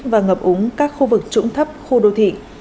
và ngập úng các khu vực trũng thấp khu đô thị